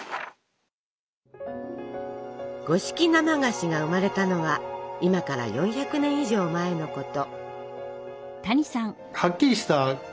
五色生菓子が生まれたのは今から４００年以上前のこと。